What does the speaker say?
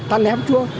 ta ném chua